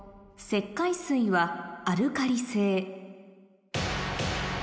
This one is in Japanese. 石灰水はアルカリ性